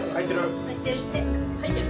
入ってる。